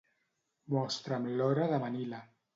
Mostra'm l'hora de Manila.